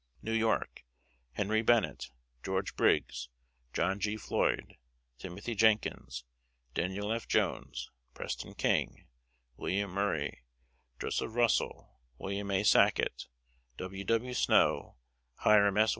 New York: Henry Bennet, George Briggs, John G. Floyd, Timothy Jenkins, Daniel F. Jones, Preston King, William Murray, Joseph Russel, Wm. A. Sacket, W. W. Snow, Hiram S.